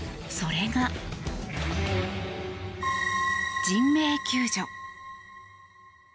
それが、人命救助。